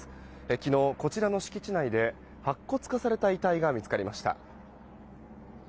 昨日、こちらの敷地内で白骨化された遺体が見つかりました。